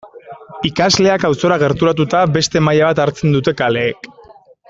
Ikasleak auzora gerturatuta beste maila bat hartzen dute kaleek.